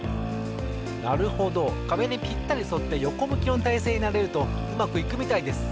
なるほどかべにぴったりそってよこむきのたいせいになれるとうまくいくみたいです。